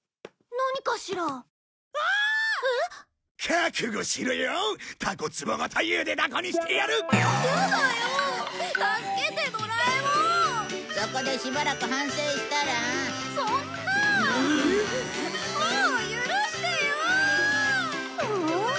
もう許してよ！はあ？